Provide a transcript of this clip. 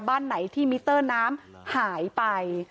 บ้านไหนที่มิเตอร์น้ำหายไป